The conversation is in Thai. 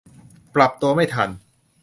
ปรับตัวไม่ทัน